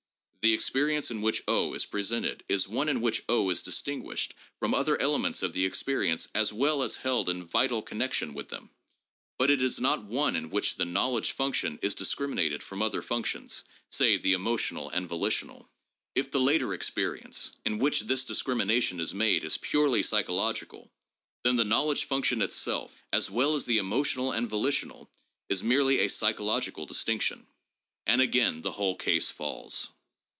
The experience in which is pre sented is one in which is distinguished from other elements of the experience as well as held in vital connection with them; but it is not one in which the knowledge function is discriminated from other functions, say, the emotional and volitional. If the later experience in which this discrimination is made is purely psychological, then the knowledge function itself, as well as the emotional and volitional, is merely a psychological distinction, and again the whole case falls.